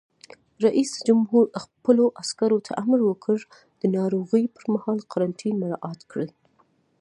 رئیس جمهور خپلو عسکرو ته امر وکړ؛ د ناروغۍ پر مهال قرنطین مراعات کړئ!